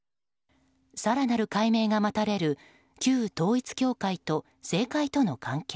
更なる解明が待たれる旧統一教会と政界との関係。